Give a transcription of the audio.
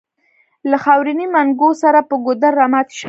له خاورينو منګو سره پر ګودر راماتې شوې.